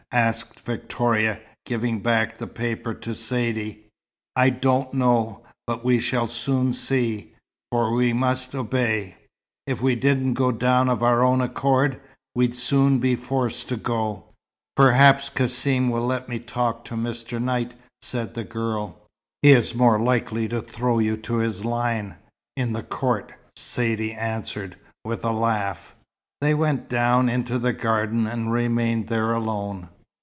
asked Victoria, giving back the paper to Saidee. "I don't know. But we shall soon see for we must obey. If we didn't go down of our own accord, we'd soon be forced to go." "Perhaps Cassim will let me talk to Mr. Knight," said the girl. "He is more likely to throw you to his lion, in the court," Saidee answered, with a laugh. They went down into the garden, and remained there alone.